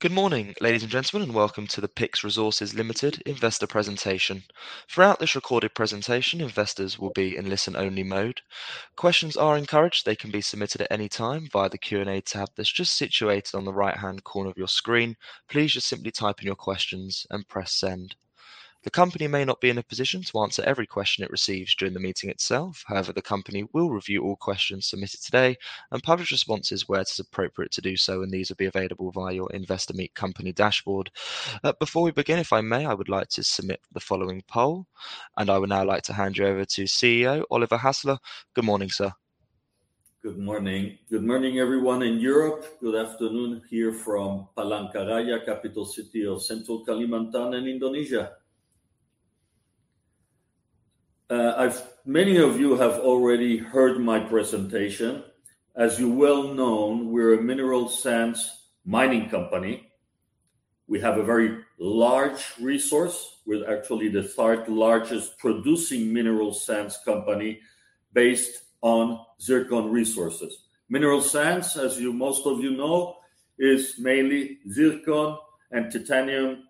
Good morning, ladies and gentlemen, and welcome to the PYX Resources Limited investor presentation. Throughout this recorded presentation, investors will be in listen-only mode. Questions are encouraged. They can be submitted at any time via the Q&A tab that's just situated on the right-hand corner of your screen. Please just simply type in your questions and press Send. The company may not be in a position to answer every question it receives during the meeting itself. However, the company will review all questions submitted today and publish responses where it is appropriate to do so, and these will be available via your Investor Meet Company dashboard. Before we begin, if I may, I would like to submit the following poll, and I would now like to hand you over to CEO Oliver B. Hassler. Good morning, sir. Good morning. Good morning, everyone in Europe. Good afternoon here from Palangkaraya, capital city of Central Kalimantan in Indonesia. Many of you have already heard my presentation as you well know, we're a mineral sands mining company. We have a very large resource we're actually the third-largest producing mineral sands company based on zircon resources. Mineral sands, as most of you know, is mainly zircon and titanium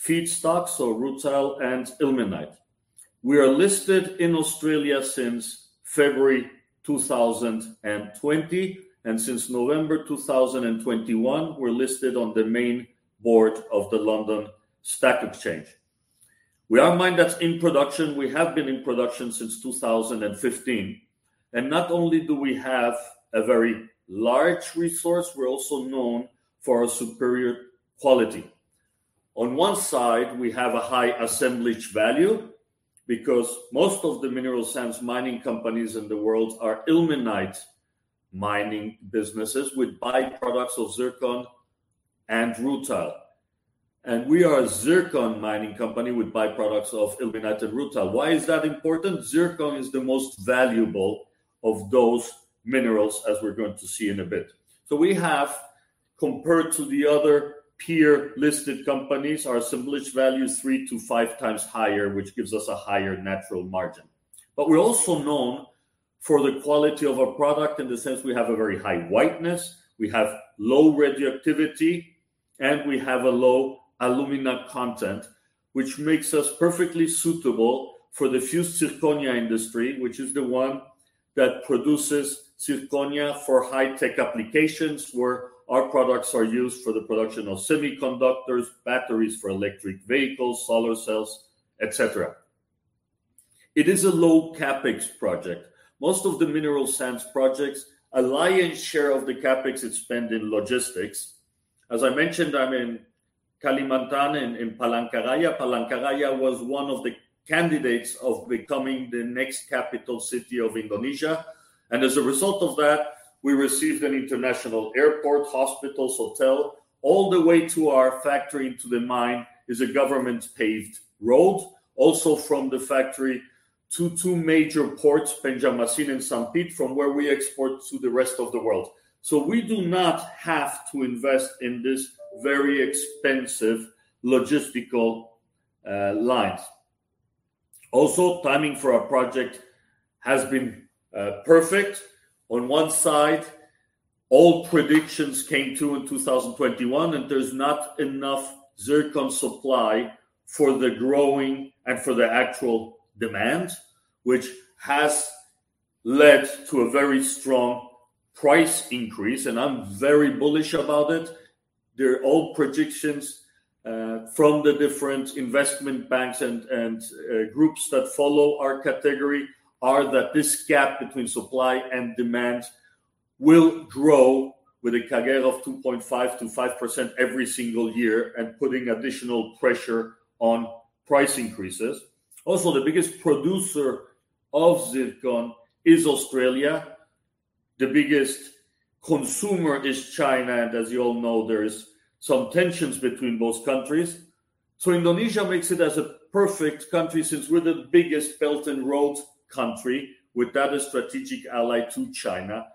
feedstock, rutile and ilmenite. We are listed in Australia since February 2020, and since November 2021, we're listed on the main board of the London Stock Exchange. We are a mine that's in production we have been in production since 2015 and not only do we have a very large resource, we're also known for our superior quality. On one side we have a high assemblage value because most of the mineral sands mining companies in the world are ilmenite mining businesses with by products of zircon and rutile, and we are a zircon mining company with byproducts of ilmenite and rutile. Why is that important Zircon is the most valuable of those minerals, as we're going to see in a bit. We have, compared to the other peer-listed companies, our assemblage value is three to five times higher, which gives us a higher natural margin. We're also known for the quality of our product in the sense we have a very high whiteness, we have low radioactivity, and we have a low alumina content, which makes us perfectly suitable for the fused zirconia industry, which is the one that produces zirconia for high-tech applications where our products are used for the production of semiconductors, batteries for electric vehicles, solar cells, et cetera. It is a low CapEx project. Most of the mineral sands projects, a lion's share of the CapEx is spent in logistics. As I mentioned, I'm in Kalimantan in Palangkaraya. Palangkaraya was one of the candidates of becoming the next capital city of Indonesia. As a result of that, we received an international airport, hospitals, hotel. All the way to our factory into the mine is a government-paved road. Also from the factory to two major ports, Banjarmasin and Sampit from where we export to the rest of the world. We do not have to invest in this very expensive logistical lines also timing for our project has been perfect. On one side, all predictions came true in 2021, and there's not enough zircon supply for the growing and for the actual demand, which has led to a very strong price increase, and I'm very bullish about it. The old predictions from the different investment banks and groups that follow our category are that this gap between supply and demand will grow with a CAGR of 2.5%-5% every single year and putting additional pressure on price increases also the biggest producer of zircon is Australia. The biggest consumer is China, and as you all know, there's some tensions between both countries. Indonesia makes it as a perfect country since we're the biggest Belt and Road country without a strategic ally to China.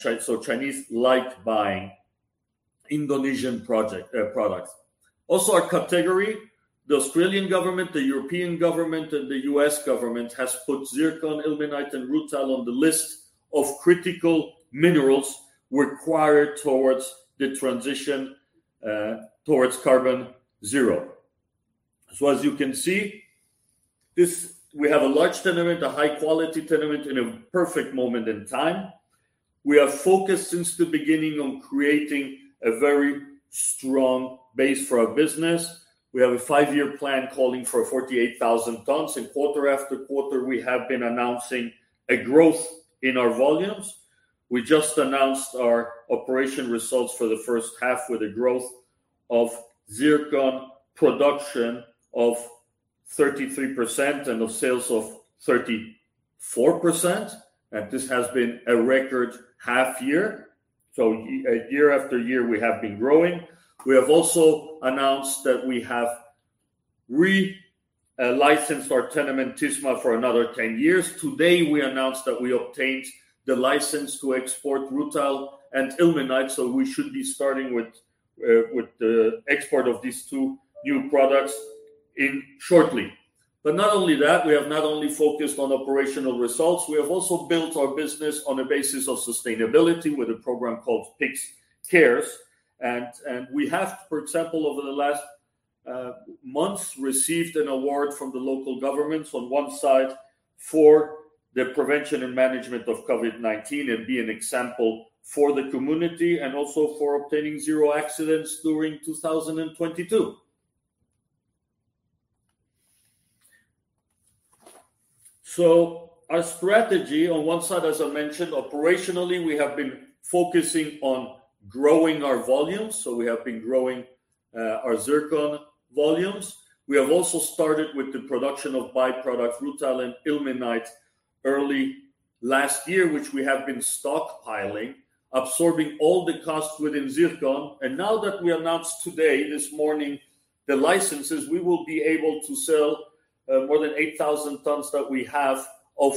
Chinese like buying Indonesian project products also our category, the Australian government, the European government, and the U.S. government has put zircon, ilmenite, and rutile on the list of critical minerals required towards the transition, towards carbon zero. As you can see, we have a large tenement, a high-quality tenement in a perfect moment in time we are focused since the beginning on creating a very strong base for our business. We have a five-year plan calling for 48,000 tons and quarter after quarter, we have been announcing a growth in our volumes. We just announced our operational results for the first half with a growth of zircon production of 33% and of sales of 34%, and this has been a record half year. Year after year we have been growing. We have also announced that we have relicensed our tenement Tisma for another 10 years. Today, we announced that we obtained the license to export rutile and ilmenite, so we should be starting with the export of these two new products shortly. Not only that, we have not only focused on operational results, we have also built our business on a basis of sustainability with a program called PYX Cares. We have, for example, over the last months, received an award from the local governments on one side for the prevention and management of COVID-19 and be an example for the community and also for obtaining zero accidents during 2022. Our strategy on one side as I mentioned, operationally, we have been focusing on growing our volumes we have been growing our zircon volumes. We have also started with the production of by-product rutile and ilmenite early last year, which we have been stockpiling, absorbing all the costs within zircon. Now that we announced today, this morning, the licenses, we will be able to sell more than 8,000 tons that we have of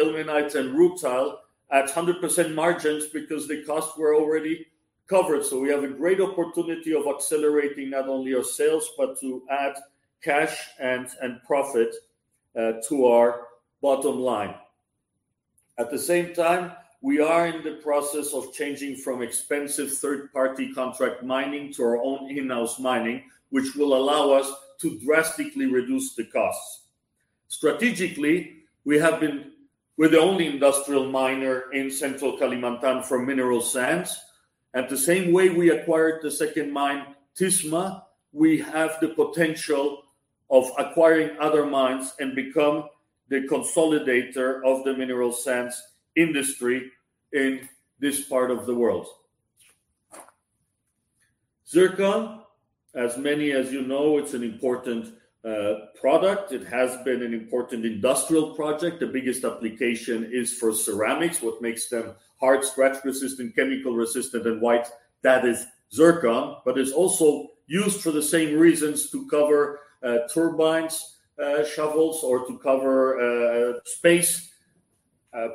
ilmenite and rutile at 100% margins because the costs were already covered. We have a great opportunity of accelerating not only our sales, but to add cash and profit to our bottom line. At the same time, we are in the process of changing from expensive third-party contract mining to our own in-house mining, which will allow us to drastically reduce the costs. Strategically, we're the only industrial miner in Central Kalimantan for mineral sands. The same way we acquired the second mine, Tisma we have the potential of acquiring other mines and become the consolidator of the mineral sands industry in this part of the world. Zircon, as many of you know, it's an important product it has been an important industrial product the biggest application is for ceramics. What makes them hard, scratch-resistant, chemical-resistant, and white, that is zircon. It's also used for the same reasons to cover turbines, nozzles, or to cover space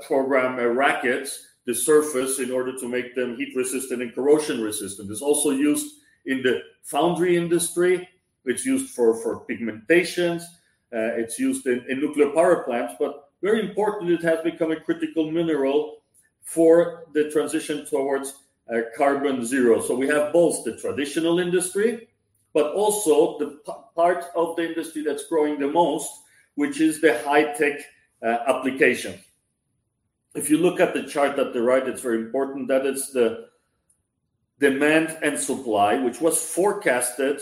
program rockets, the surface, in order to make them heat-resistant and corrosion-resistant. It's also used in the foundry industry it's used for pigmentation it's used in nuclear power plants very important, it has become a critical mineral for the transition towards carbon zero. We have both the traditional industry, but also the part of the industry that's growing the most, which is the high-tech application. If you look at the chart at the right, it's very important that is the demand and supply, which was forecasted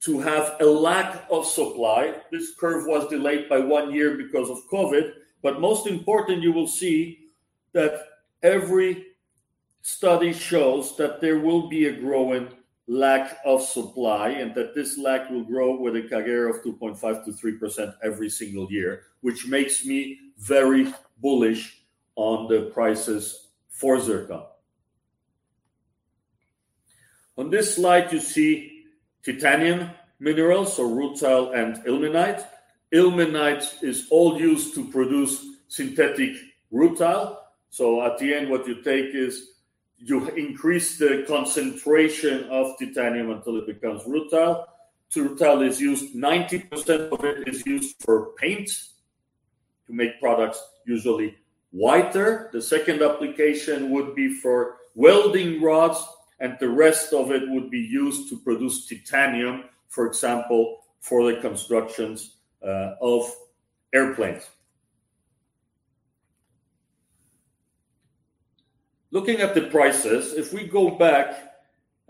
to have a lack of supply. This curve was delayed by one year because of COVID. Most important you will see that every study shows that there will be a growing lack of supply, and that this lack will grow with a CAGR of 2.5%-3% every single year, which makes me very bullish on the prices for zircon. On this slide, you see titanium minerals, so rutile and ilmenite. Ilmenite is all used to produce synthetic rutile. So at the end, what you take is you increase the concentration of titanium until it becomes rutile. Rutile is used 90% of it is used for paint to make products usually whiter the second application would be for welding rods, and the rest of it would be used to produce titanium, for example, for the constructions of airplanes. Looking at the prices, if we go back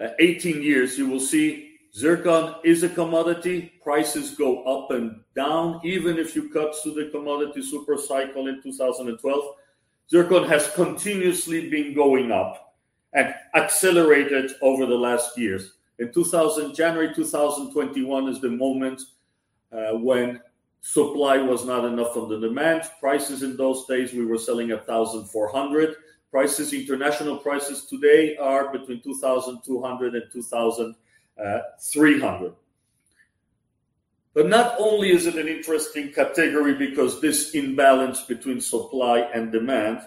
18 years, you will see zircon is a commodity prices go up and down. Even if you cut to the commodity super cycle in 2012, zircon has continuously been going up and accelerated over the last years. In January 2021 is the moment when supply was not enough of the demand. Prices in those days we were selling at $1,400 prices. International prices today are between $2,200 and $2,300. But not only is it an interesting category because this imbalance between supply and demand,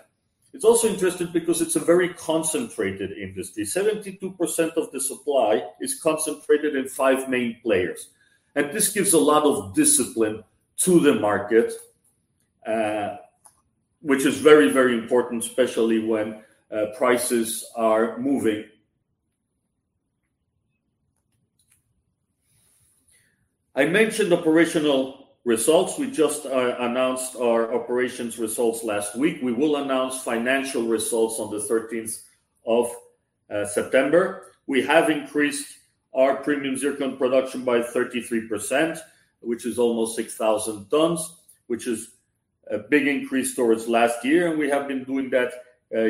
it's also interesting because it's a very concentrated industry. 72% of the supply is concentrated in five main players. This gives a lot of discipline to the market which is very, very important, especially when prices are moving. I mentioned operational results we just announced our operations results last week. We will announce financial results on the 13th September we have increased our premium zircon production by 33%, which is almost 6,000 tons, which is a big increase towards last year. We have been doing that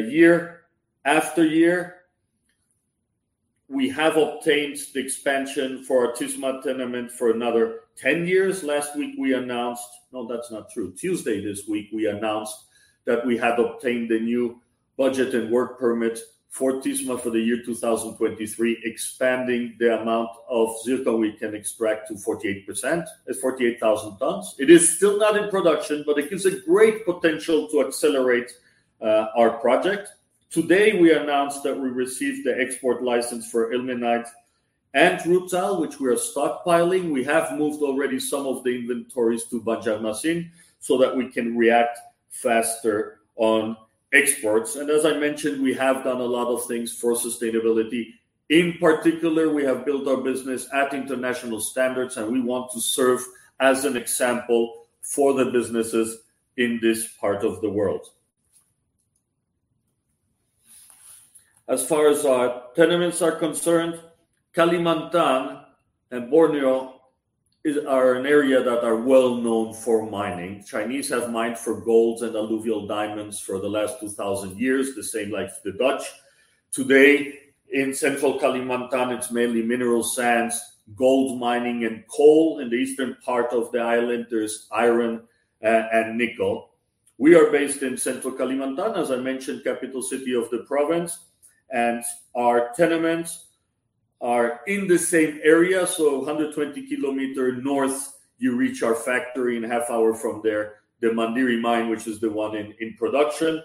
year after year we have obtained the expansion for our Tisma tenement for another 10 years. Tuesday this week, we announced that we have obtained the new budget and work permit for Tisma for the year 2023, expanding the amount of zircon we can extract to 48,000 tons. It is still not in production, but it gives a great potential to accelerate our project. Today we announced that we received the export license for ilmenite and rutile, which we are stockpiling. We have moved already some of the inventories to Banjarmasin so that we can react faster on exports. As I mentioned, we have done a lot of things for sustainability. In particular, we have built our business at international standards, and we want to serve as an example for the businesses in this part of the world. As far as our tenements are concerned, Kalimantan and Borneo are an area that are well known for mining. Chinese have mined for golds and alluvial diamonds for the last 2,000 years, the same like the Dutch today in Central Kalimantan it's mainly mineral sands, gold mining and coal. In the eastern part of the island, there's iron and nickel. We are based in Central Kalimantan, as I mentioned, capital city of the province. Our tenements are in the same area, so 120 km north, you reach our factory in half hour from there, the Mandiri mine, which is the one in production.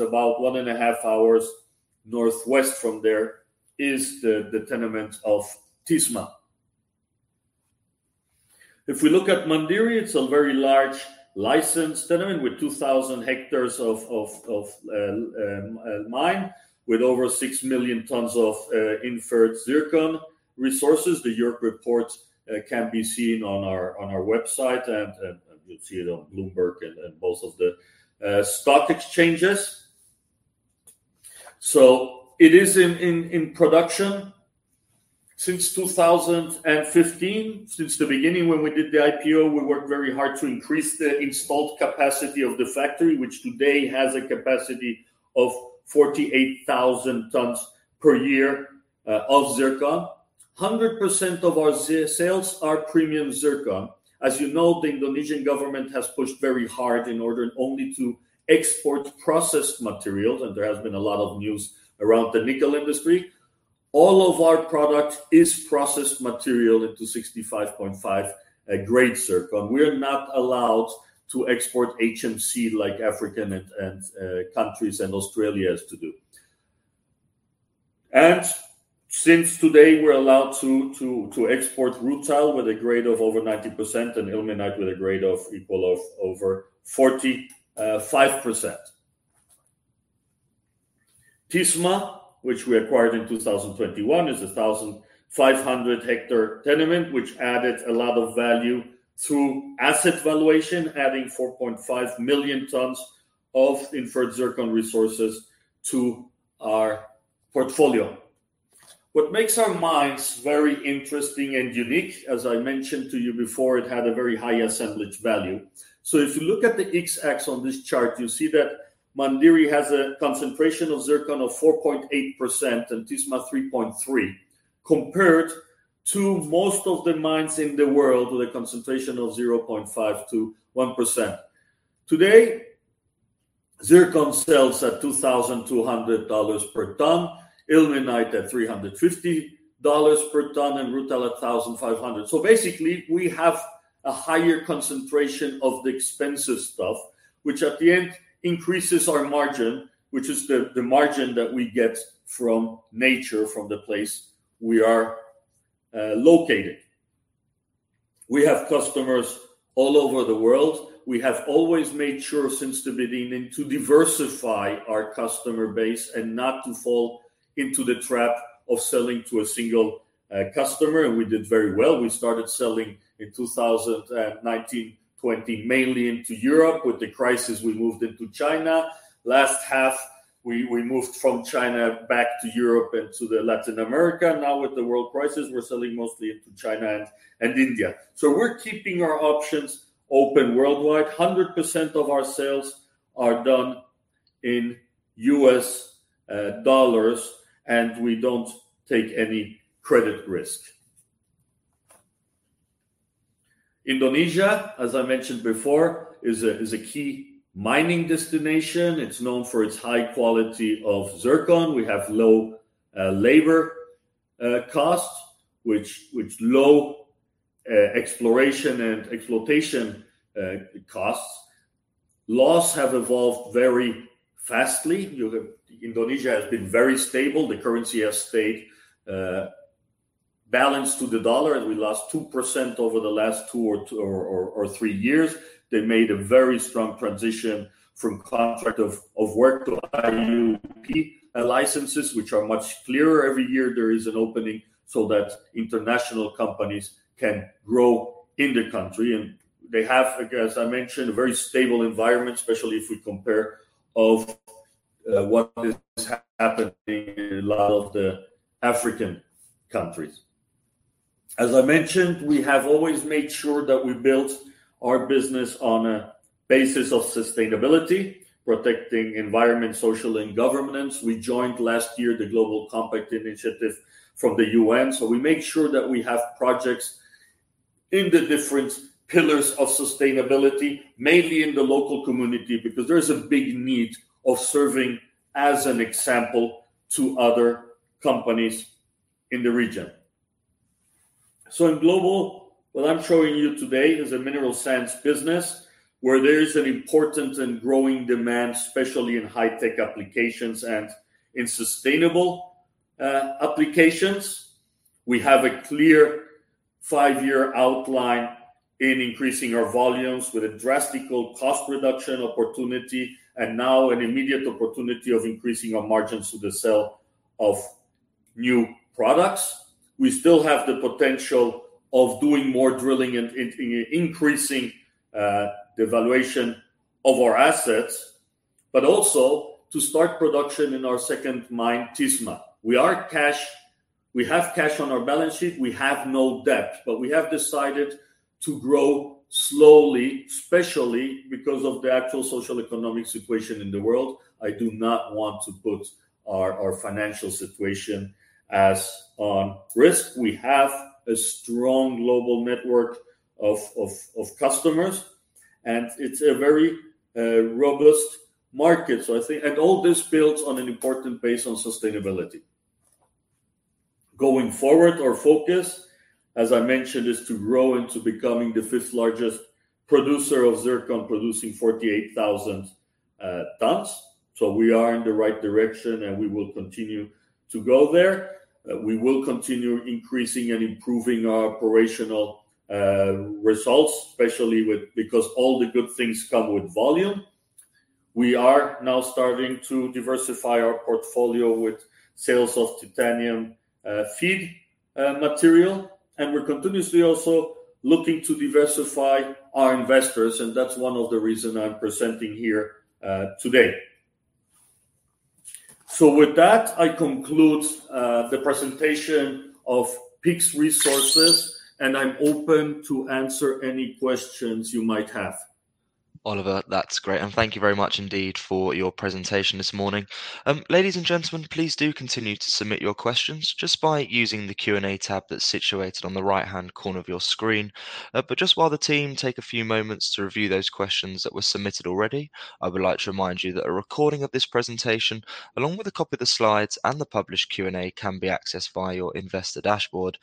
About one and a half hours northwest from there is the tenement of Tisma. If we look at Mandiri, it's a very large license tenement with 2,000 ha of mine, with over six million tons of inferred zircon resources. The JORC report can be seen on our website and you'll see it on Bloomberg and most of the stock exchanges. It is in production since 2015. Since the beginning when we did the IPO, we worked very hard to increase the installed capacity of the factory, which today has a capacity of 48,000 tons per year of zircon. 100% of our sales are premium zircon. As you know, the Indonesian government has pushed very hard in order only to export processed materials, and there has been a lot of news around the nickel industry. All of our product is processed material into 65.5 grade zircon. We're not allowed to export HMC like African countries and Australia do. Since today we're allowed to export rutile with a grade of over 90% and ilmenite with a grade equal to over 45%. Tisma, which we acquired in 2021, is a 1,500 ha tenement, which added a lot of value through asset valuation, adding 4.5 million tons of inferred zircon resources to our portfolio. What makes our mines very interesting and unique, as I mentioned to you before, it had a very high assemblage value. If you look at the x-axis on this chart, you'll see that Mandiri has a concentration of zircon of 4.8% and Tisma 3.3%, compared to most of the mines in the world with a concentration of 0.5%-1%. Today, zircon sells at $2,200 per ton, ilmenite at $350 per ton, and rutile at $1,500. Basically, we have a higher concentration of the expensive stuff, which at the end increases our margin, which is the margin that we get from nature, from the place we are located. We have customers all over the world. We have always made sure since the beginning to diversify our customer base and not to fall into the trap of selling to a single customer, and we did very well. We started selling in 2019, 2020, mainly into Europe. With the crisis, we moved into China. Last half, we moved from China back to Europe and to Latin America. Now with the world crisis, we're selling mostly into China and India. We're keeping our options open worldwide 100% of our sales are done in U.S. dollars, and we don't take any credit risk. Indonesia, as I mentioned before, is a key mining destination. It's known for its high quality of zircon. We have low labor costs and low exploration and exploitation costs. Laws have evolved very fast. Indonesia has been very stable. The currency has stayed balanced to the dollar, and we lost 2% over the last two or three years. They made a very strong transition from contract of work to IUP licenses, which are much clearer. Every year there is an opening so that international companies can grow in the country, and they have, like as I mentioned, a very stable environment, especially if we compare to what is happening in a lot of the African countries. As I mentioned, we have always made sure that we built our business on a basis of sustainability, protecting environmental, social, and governance. We joined last year the United Nations Global Compact, so we make sure that we have projects in the different pillars of sustainability, mainly in the local community, because there is a big need of serving as an example to other companies in the region. In global, what I'm showing you today is a mineral sands business where there is an important and growing demand, especially in high-tech applications and in sustainable applications. We have a clear five-year outline in increasing our volumes with a drastic cost reduction opportunity and now an immediate opportunity of increasing our margins through the sale of new products. We still have the potential of doing more drilling and increasing the valuation of our assets, but also to start production in our second mine, Tisma. We have cash on our balance sheet we have no debt, but we have decided to grow slowly, especially because of the actual social economic situation in the world. I do not want to put our financial situation at risk. We have a strong global network of customers, and it's a very robust market. I think all this builds on an important base on sustainability. Going forward, our focus, as I mentioned, is to grow into becoming the fifth-largest producer of zircon, producing 48,000 tons. We are in the right direction, and we will continue to go there. We will continue increasing and improving our operational results, especially because all the good things come with volume. We are now starting to diversify our portfolio with sales of titanium feed material, and we're continuously also looking to diversify our investors, and that's one of the reason I'm presenting here today. With that, I conclude the presentation of PYX Resources, and I'm open to answer any questions you might have. Oliver, that's great. Thank you very much indeed for your presentation this morning. Ladies and gentlemen, please do continue to submit your questions just by using the Q&A tab that's situated on the right-hand corner of your screen. Just while the team take a few moments to review those questions that were submitted already, I would like to remind you that a recording of this presentation, along with a copy of the slides and the published Q&A, can be accessed via your investor dashboard.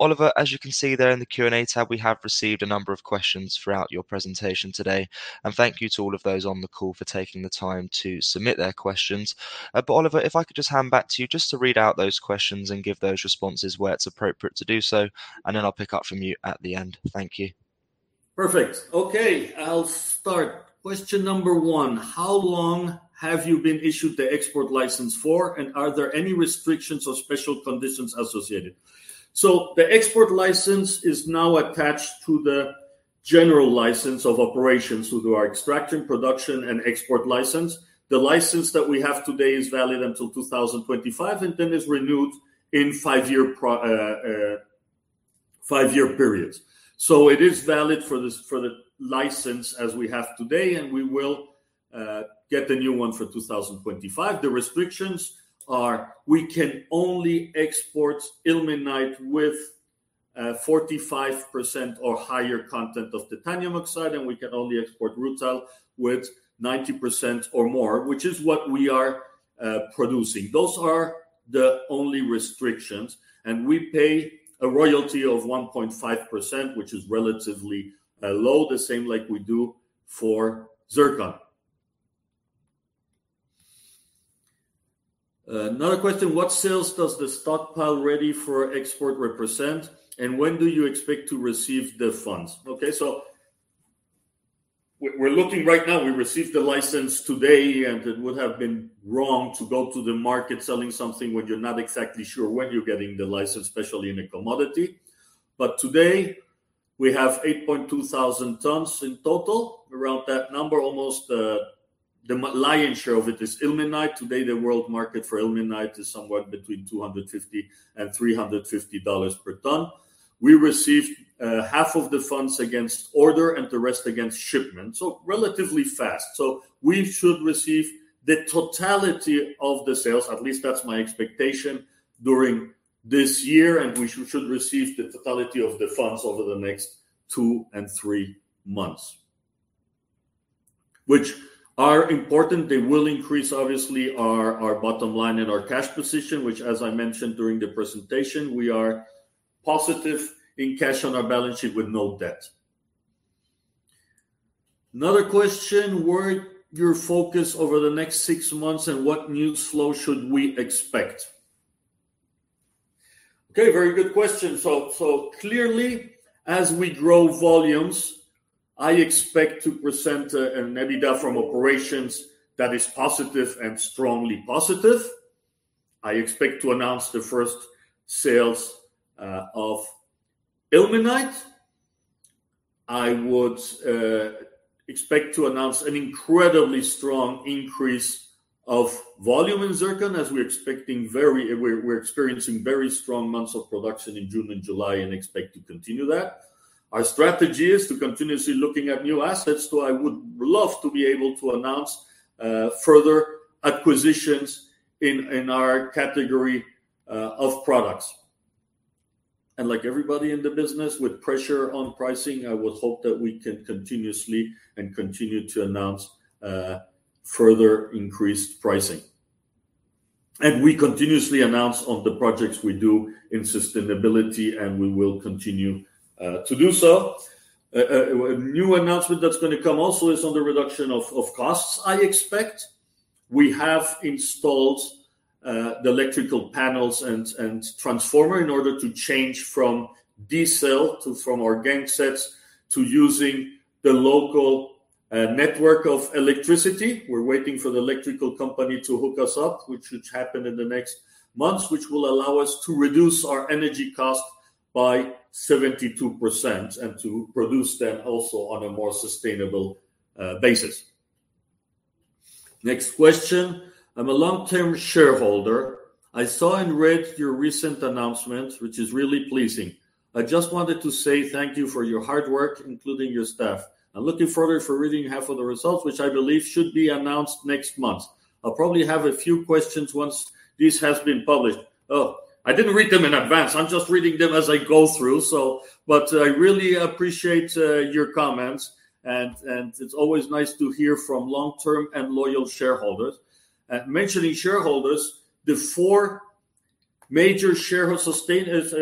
Oliver, as you can see there in the Q&A tab, we have received a number of questions throughout your presentation today, and thank you to all of those on the call for taking the time to submit their questions. Oliver, if I could just hand back to you just to read out those questions and give those responses where it's appropriate to do so, and then I'll pick up from you at the end. Thank you. Perfect. Okay, I'll start. Question number one how long have you been issued the export license for, and are there any restrictions or special conditions associated? The export license is now attached to the general license of operations to do our extraction, production, and export license. The license that we have today is valid until 2025 and then is renewed in five-year periods. It is valid for this, for the license as we have today, and we will get the new one for 2025. The restrictions are we can only export ilmenite with 45% or higher content of titanium oxide, and we can only export rutile with 90% or more, which is what we are producing. Those are the only restrictions, and we pay a royalty of 1.5%, which is relatively low, the same like we do for zircon. Another question, what sales does the stockpile ready for export represent, and when do you expect to receive the funds? Okay. We're looking right now we received the license today, and it would have been wrong to go to the market selling something when you're not exactly sure when you're getting the license, especially in a commodity. Today we have 8,200 tons in total around that number, almost the lion's share of it is ilmenite today the world market for ilmenite is somewhat between $250-$350 per ton. We received half of the funds against order and the rest against shipment, so relatively fast. We should receive the totality of the sales, at least that's my expectation, during this year, and we should receive the totality of the funds over the next two and three months, which are important. They will increase, obviously, our bottom line and our cash position, which, as I mentioned during the presentation, we are positive in cash on our balance sheet with no debt. Another question, where your focus over the next six months, and what news flow should we expect? Okay, very good question. Clearly, as we grow volumes, I expect to present an EBITDA from operations that is positive and strongly positive. I expect to announce the first sales of ilmenite. I would expect to announce an incredibly strong increase of volume in zircon as we're experiencing very strong months of production in June and July and expect to continue that. Our strategy is to continuously looking at new assets, so I would love to be able to announce further acquisitions in our category of products. Like everybody in the business with pressure on pricing, I would hope that we can continue to announce further increased pricing. We continuously announce on the projects we do in sustainability, and we will continue to do so. A new announcement that's gonna come also is on the reduction of costs, I expect. We have installed the electrical panels and transformer in order to change from diesel to our gen sets to using the local network of electricity. We're waiting for the electrical company to hook us up, which should happen in the next months, which will allow us to reduce our energy cost by 72% and to produce them also on a more sustainable basis. Next question, I'm a long-term shareholder I saw and read your recent announcement, which is really pleasing. I just wanted to say thank you for your hard work, including your staff. I'm looking forward for reading half of the results, which I believe should be announced next month. I'll probably have a few questions once this has been published. Oh, I didn't read them in advance. I'm just reading them as I go through, so. I really appreciate your comments and it's always nice to hear from long-term and loyal shareholders. Mentioning shareholders, the four major shareholders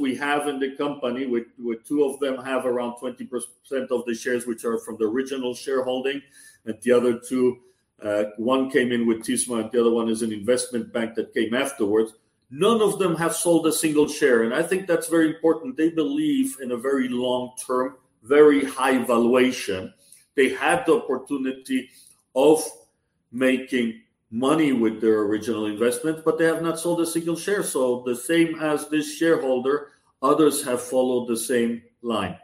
we have in the company, which two of them have around 20% of the shares which are from the original shareholding, and the other two, one came in with Tisma and the other one is an investment bank that came afterwards, none of them have sold a single share. I think that's very important. They believe in a very long-term, very high valuation. They had the opportunity of making money with their original investment, but they have not sold a single share. The same as this shareholder, others have followed the same line.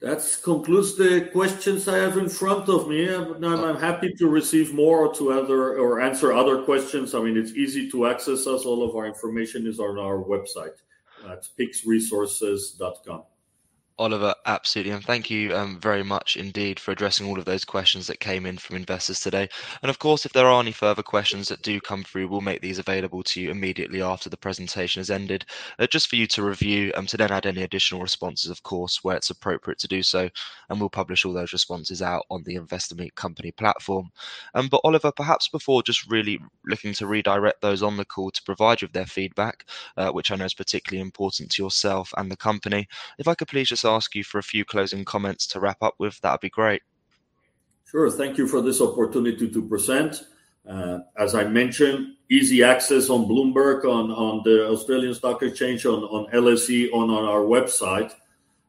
That concludes the questions I have in front of me. I'm happy to receive more or to other Answer other questions. I mean, it's easy to access us. All of our information is on our website at pyxresources.com. Oliver, absolutely. Thank you, very much indeed for addressing all of those questions that came in from investors today. Of course, if there are any further questions that do come through, we'll make these available to you immediately after the presentation has ended, just for you to review, to then add any additional responses of course, where it's appropriate to do so, and we'll publish all those responses out on the Investor Meet Company platform. Oliver, perhaps before just really looking to redirect those on the call to provide you with their feedback, which I know is particularly important to yourself and the company, if I could please just ask you for a few closing comments to wrap up with, that'd be great. Sure. Thank you for this opportunity to present. As I mentioned, easy access on Bloomberg, on the Australian Stock Exchange, on LSE, on our website.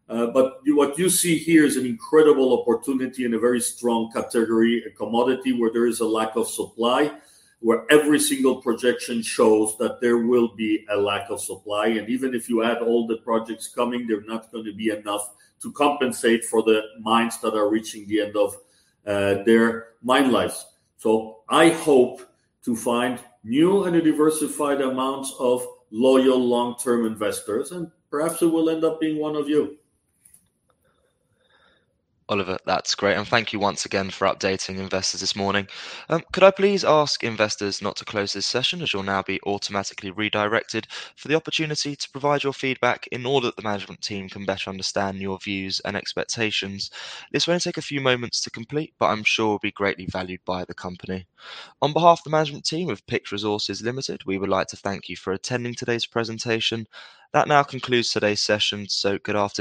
What you see here is an incredible opportunity in a very strong category, a commodity where there is a lack of supply, where every single projection shows that there will be a lack of supply. Even if you add all the projects coming, they're not gonna be enough to compensate for the mines that are reaching the end of their mine lives. I hope to find new and diversified amounts of loyal long-term investors, and perhaps it will end up being one of you. Oliver, that's great. Thank you once again for updating investors this morning. Could I please ask investors not to close this session, as you'll now be automatically redirected, for the opportunity to provide your feedback in order that the management team can better understand your views and expectations. This will only take a few moments to complete, but I'm sure will be greatly valued by the company. On behalf of the management team of PYX Resources Limited, we would like to thank you for attending today's presentation. That now concludes today's session, so good afternoon, goodbye.